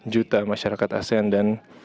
juta masyarakat asean dan